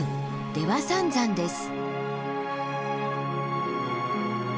出羽三山です。